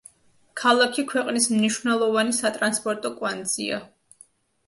ქალაქი ქვეყნის მნიშვნელოვანი სატრანსპორტო კვანძია.